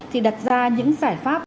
thì đặt ra những giải pháp